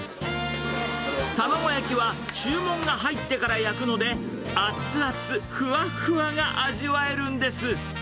卵焼きは、注文が入ってから焼くので、あつあつふわふわが味わえるんです。